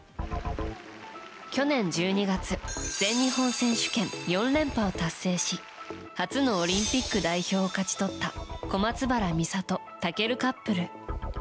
去年１２月全日本選手権４連覇を達成し初のオリンピック代表を勝ち取った小松原美里、尊カップル。